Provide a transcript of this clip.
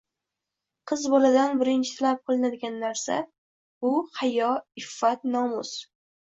Qiz boladan birinchi talab qilinadigan narsa, bu – hayo, iffat, nomus.